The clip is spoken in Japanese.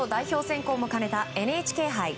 選考も兼ねたＮＨＫ杯。